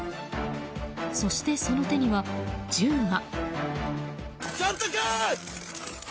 そして、その手には銃が。